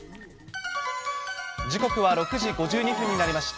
時刻は６時５２分になりました。